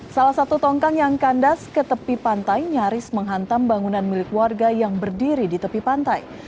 salah satu tongkang yang kandas ke tepi pantai nyaris menghantam bangunan milik warga yang berdiri di tepi pantai